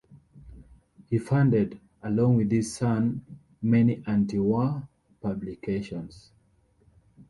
He funded, along with his son, many anti-war publications.